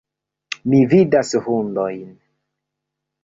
Mi vidas hundojn.